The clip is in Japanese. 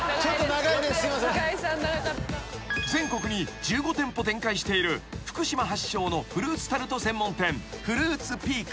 ［全国に１５店舗展開している福島発祥のフルーツタルト専門店］